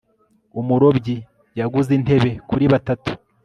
umurobyi yaguze intebe kuri batatu